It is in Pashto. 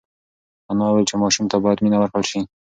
انا وویل چې ماشوم ته باید مینه ورکړل شي.